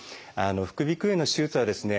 副鼻腔炎の手術はですね